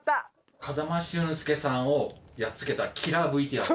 風間俊介さんをやっつけたキラーＶＴＲです。